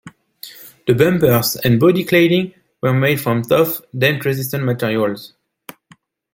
The bumpers and body cladding were made from tough, dent-resistant materials.